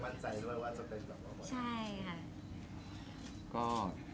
ประสบความรับของคุณนะครับ